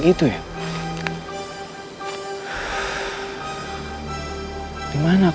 hari ini bagaimana kita akan menikah